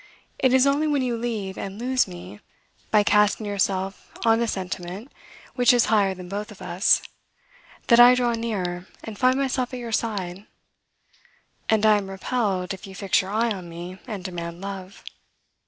it is only when you leave and lose me, by casting yourself on a sentiment which is higher than both of us, that I draw near, and find myself at your side; and I am repelled, if you fix your eye on me, and demand love.